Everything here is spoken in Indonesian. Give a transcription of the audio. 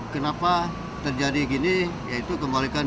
kenapa terjadi gini